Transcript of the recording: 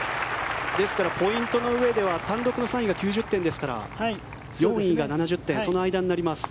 ですから、ポイントのうえでは単独の３位が９０点ですから４位が７０点その間になります。